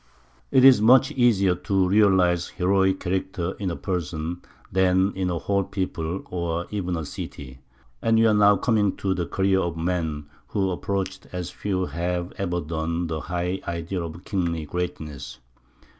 It is much easier to realize heroic character in a person than in a whole people or even a city; and we are now coming to the career of a man who approached as few have ever done the high ideal of kingly greatness.